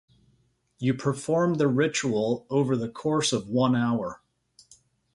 You perform the ritual over the course of one hour.